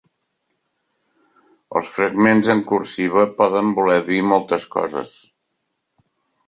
Els fragments en cursiva poden voler dir moltes coses.